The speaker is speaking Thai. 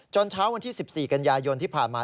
เช้าวันที่๑๔กันยายนที่ผ่านมา